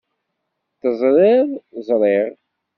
Teẓriḍ ẓṛiɣ.